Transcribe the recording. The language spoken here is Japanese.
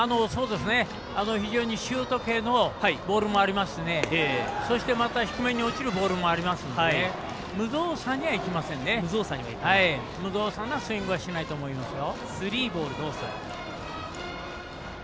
非常にシュート系のボールもありますしそして、低めに落ちるボールもありますので無造作にはスイングはしないと思いますよ。